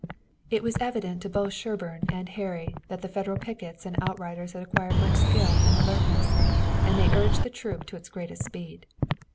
It was evident to both Sherburne and Harry that the Federal pickets and outriders had acquired much skill and alertness, and they urged the troop to its greatest speed.